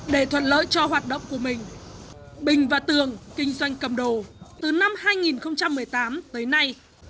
để thuận lợi cho hoạt động của mình bình và tường kinh doanh cầm đồ từ năm hai nghìn một mươi tám tới nay